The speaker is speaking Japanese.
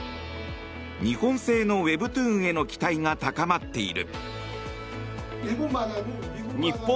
日本製のウェブトゥーンへの期待が高まっている。